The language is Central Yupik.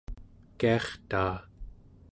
kiartaa